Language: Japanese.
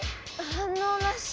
反応なし。